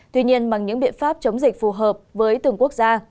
tuy nhiên bằng những biện pháp chống dịch phù hợp với từng quốc gia